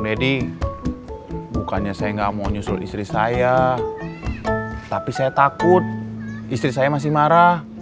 nedi bukannya saya nggak mau nyusul istri saya tapi saya takut istri saya masih marah